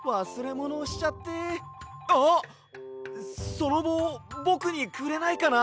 そのぼうぼくにくれないかな？